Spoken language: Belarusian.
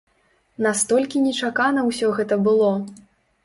Настолькі нечакана ўсё гэта было.